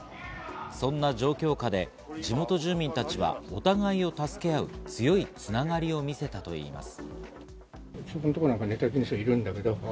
そんな状況下で地元住民たちはお互いを助け合う、強いつながりを見せたといいます。